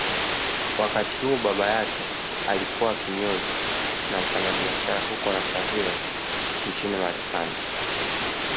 Wakati huo baba yake alikuwa kinyozi na mfanyabiashara huko Narshaville nchini Marekani